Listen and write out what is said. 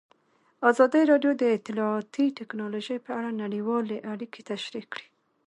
ازادي راډیو د اطلاعاتی تکنالوژي په اړه نړیوالې اړیکې تشریح کړي.